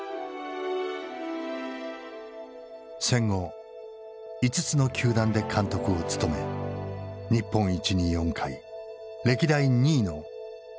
戦後５つの球団で監督を務め日本一に４回歴代２位の１，６８７勝を挙げた。